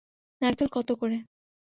নারকেল কত করে?